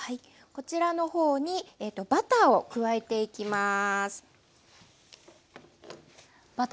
こちらの方にバターを加えていきます。